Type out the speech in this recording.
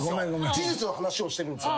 事実の話をしてるんですよ。